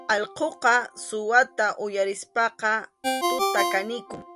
Allquqa suwata uyarispaqa tuta kanikun.